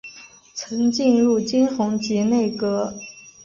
曾进入金弘集内阁。